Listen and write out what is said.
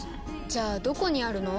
じゃあどこにあるの？